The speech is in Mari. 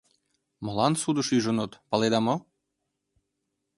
— Молан судыш ӱжыныт, паледа мо?